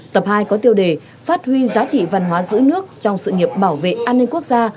tập hai có tiêu đề phát huy giá trị văn hóa giữ nước trong sự nghiệp bảo vệ an ninh quốc gia